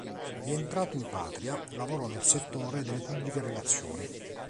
Rientrato in patria, lavorò nel settore delle pubbliche relazioni.